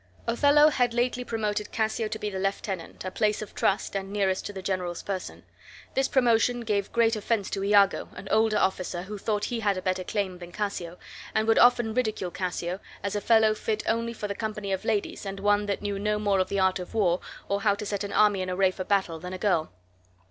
Othello had lately promoted Cassio to be the lieutenant, a place of trust, and nearest to the general's person. This promotion gave great offense to Iago, an older officer who thought he had a better claim than Cassio, and would often ridicule Cassio as a fellow fit only for the company of ladies and one that knew no more of the art of war or how to set an army in array for battle than a girl.